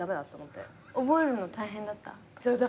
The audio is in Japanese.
覚えるの大変だった？